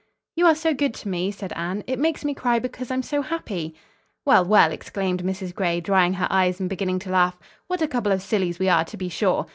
"You are so good to me!" said Anne. "It makes me cry because I'm so happy." "Well, well!" exclaimed Mrs. Gray, drying her eyes and beginning to laugh. "What a couple of sillies we are, to be sure.